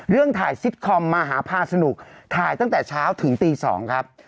เรื่องถ่ายซิตคอมมหาพาสนุกถ่ายตั้งแต่เช้าถึงตี๒ครับ